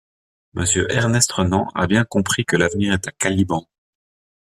Monsieur Ernest Renan a bien compris que l'avenir est à Caliban.